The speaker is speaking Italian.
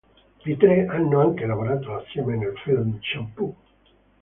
I tre hanno anche lavorato assieme nel film "Shampoo".